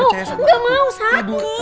gak mau sakit